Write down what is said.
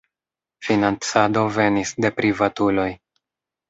Financado venis de privatuloj.